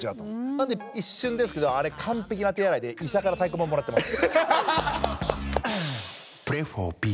なんで一瞬ですけどあれ完璧な手洗いで医者から太鼓判もらってます。